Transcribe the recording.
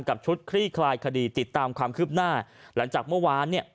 กับชุดคลี่คลายคดีติดตามความคืบหน้าหลังจากเมื่อวานเนี่ย